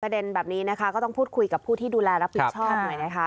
เด็นแบบนี้นะคะก็ต้องพูดคุยกับผู้ที่ดูแลรับผิดชอบหน่อยนะคะ